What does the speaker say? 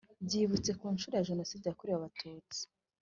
byibutse ku nshuro ya Jenoside yakorewe Abatutsi